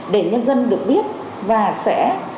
để nhân dân được biết và sẽ